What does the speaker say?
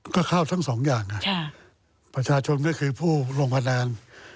ก็เข้าทั้งสองอย่างประชาชนก็คือผู้ลงคะแนน